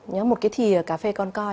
nhớ một cái thìa cà phê con con